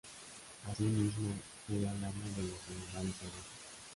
Asimismo, sería el amo de los animales salvajes.